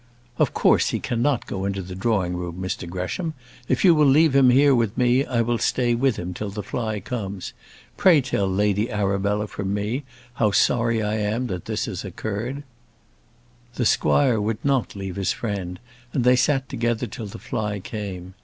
"Of course he cannot go into the drawing room, Mr Gresham. If you will leave him here with me, I will stay with him till the fly comes. Pray tell Lady Arabella from me, how sorry I am that this has occurred." The squire would not leave his friend, and they sat together till the fly came.